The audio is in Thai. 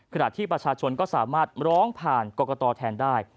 ขณะที่ประชาชนก็สามารถร้องผ่านกรกตแทนได้